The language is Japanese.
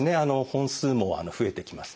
本数も増えてきますね。